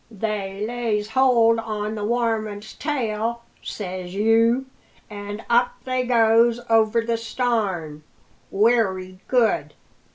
They lays hold on the warmint's tail, says you, and up they goes over the starn. Wery good!